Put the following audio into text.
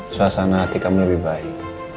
suasana hati kami lebih baik